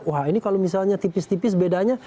wah ini kalau misalnya tipis tipis bedanya